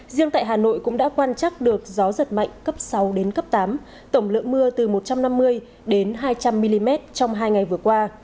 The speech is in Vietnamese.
riêng tại hà nội cũng đã quan trắc được gió giật mạnh cấp sáu đến cấp tám tổng lượng mưa từ một trăm năm mươi đến hai trăm linh mm trong hai ngày vừa qua